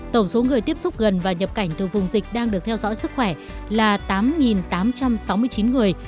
tổng số người tiếp xúc gần và nhập cảnh từ vùng dịch đang được theo dõi sức khỏe là tám tám trăm sáu mươi chín người